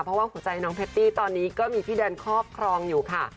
เพราะว่าหัวใจน้องแพตตี้ตอนนี้ก็มีพี่แดนครอบครองอยู่ค่ะ